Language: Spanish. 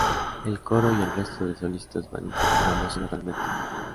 El coro y el resto de solistas van incorporándose gradualmente.